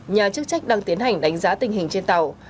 nhà chức trách đang tiến hành đánh giá tình hình trên tàu